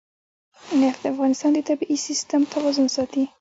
نفت د افغانستان د طبعي سیسټم توازن ساتي.